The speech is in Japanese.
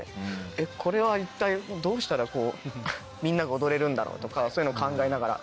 えっこれは一体どうしたらみんなが踊れるんだろう？とかそういうのを考えながら。